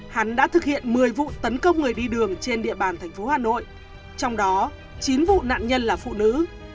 hắn đã thực hiện một mươi vụ tấn công người đi đường trên địa bàn thành phố hà nội trong đó chín vụ nạn nhân là phụ nữ